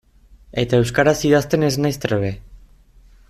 Eta euskaraz idazten ez naiz trebe.